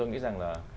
tôi nghĩ rằng là